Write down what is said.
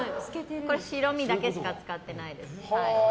白身だけしか使ってないです。